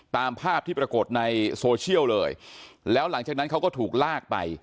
ตามภาพที่ปรากฏในโซเชียลเลยแล้วหลังจากนั้นเขาก็ถูกลากไป